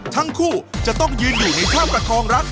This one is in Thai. ทั้งคู่จะต้องยืนอยู่ในท่าประคองรัก